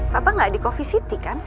papa nggak di coffe city kan